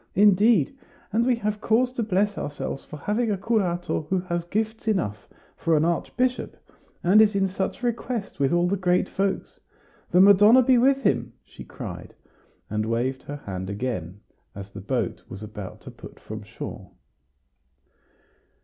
Indeed, and we have cause to bless ourselves for having a curato who has gifts enough for an archbishop, and is in such request with all the great folks. The Madonna be with him!" she cried, and waved her hand again, as the boat was about to put from shore.